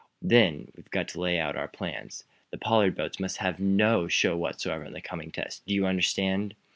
Then we've got to lay our plans. The Pollard boats must have no show whatever in the coming tests, do you understand?